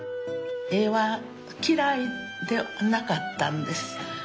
絵は嫌いではなかったんです。